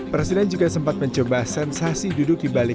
presiden juga sempat mencoba sensasi duduk di balik